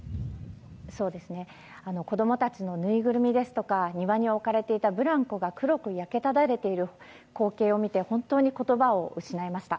子供たちのぬいぐるみですとか庭に置かれていたブランコが黒く焼けただれている光景を見て本当に言葉を失いました。